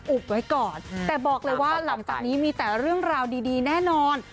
ไว้ก่อนแต่บอกเลยว่าหลังจากนี้มีแต่เรื่องราวดีแน่นอน